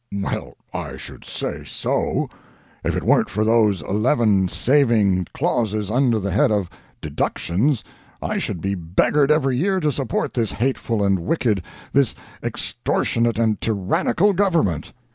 "Well, I should say so! If it weren't for those eleven saving clauses under the head of 'Deductions' I should be beggared every year to support this hateful and wicked, this extortionate and tyrannical government."